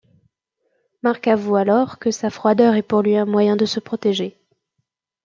Mark avoue alors que sa froideur est pour lui un moyen de se protéger.